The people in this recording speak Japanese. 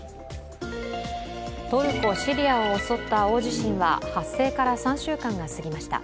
トルコ、シリアを襲った大地震は発生から３週間が過ぎました。